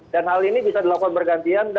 dan hal ini bisa dilakukan bergantian